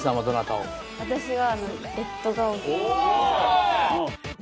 私は。